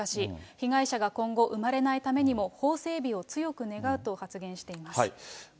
被害者が今後生まれないためにも法整備を強く願うと発言しています。